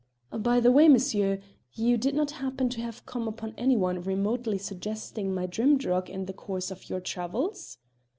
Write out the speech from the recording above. "By the way, monsieur, you did not happen to have come upon any one remotely suggesting my Drimdarroch in the course of your travels?"